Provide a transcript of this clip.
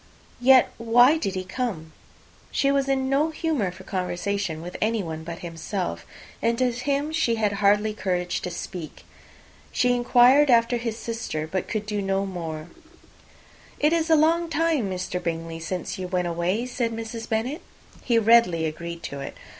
"Yet why did he come?" She was in no humour for conversation with anyone but himself; and to him she had hardly courage to speak. She inquired after his sister, but could do no more. "It is a long time, Mr. Bingley, since you went away," said Mrs. Bennet. He readily agreed to it.